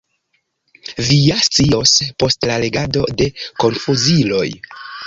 Vi ja scios post legado de Konfuziloj.